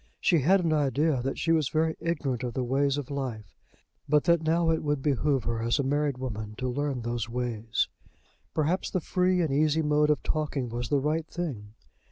She had an idea that she was very ignorant of the ways of life; but that now it would behove her, as a married woman, to learn those ways. Perhaps the free and easy mode of talking was the right thing.